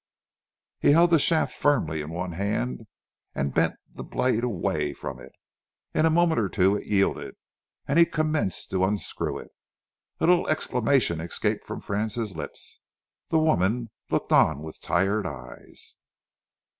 He held the shaft firmly in one hand and bent the blade away from it. In a moment or two it yielded and he commenced to unscrew it. A little exclamation escaped from Francis' lips. The woman looked on with tired eyes.